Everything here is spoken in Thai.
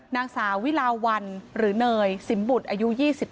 นางสาววิลาวันหรือเนยสิมบุตรอายุ๒๙